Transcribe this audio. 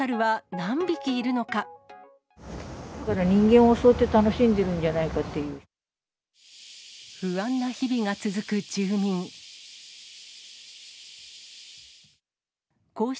人間を襲って楽しんでるんじゃないかっていう。